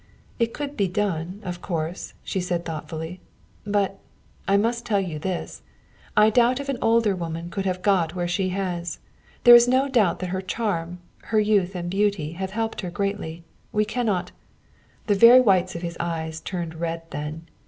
"It could be done, of course," she said, thoughtfully. "But I must tell you this: I doubt if an older woman could have got where she has. There is no doubt that her charm, her youth and beauty have helped her greatly. We cannot " The very whites of his eyes turned red then.